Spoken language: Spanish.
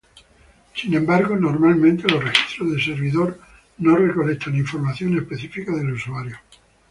Sin embargo, normalmente los registros de servidor no recolectan información específica del usuario.